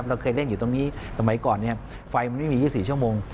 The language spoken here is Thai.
เราเคยเล่นอยู่ตรงนี้สมัยก่อนไฟมันไม่มี๒๔ชั่วโมง